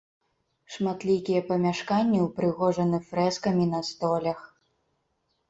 Шматлікія памяшканні ўпрыгожаны фрэскамі на столях.